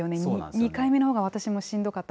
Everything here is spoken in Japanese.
２回目のほうが私もしんどかった。